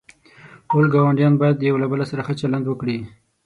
ټول گاونډیان باید یوله بل سره ښه چلند وکړي.